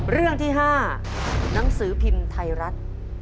เรื่องที่๕หนังสือพิมพ์ไทยรัฐ